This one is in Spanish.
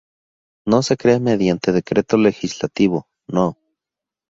Se crea mediante Decreto Legislativo No.